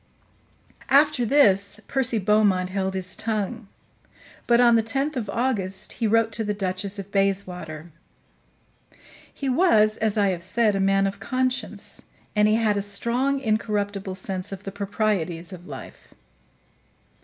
After this, Percy Beaumont held his tongue; but on the 10th of August he wrote to the Duchess of Bayswater. He was, as I have said, a man of conscience, and he had a strong, incorruptible sense of the proprieties of life.